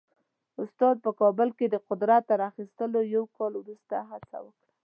استاد په کابل کې د قدرت تر اخیستو یو کال وروسته هڅه وکړه.